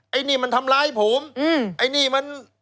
ไอ้นี่มันทำร้ายผม